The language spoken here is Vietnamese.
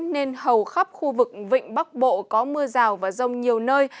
nên hầu khắp khu vực vịnh bắc bộ có mưa rào và rông nhiều nơi